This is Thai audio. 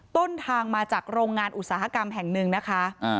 ต้นทางมาจากโรงงานอุตสาหกรรมแห่งหนึ่งนะคะ